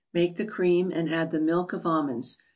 Make the cream and add the " Milk of Almonds."